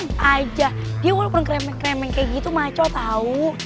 nggak dia udah kurang kremen kremen kayak gitu maco tau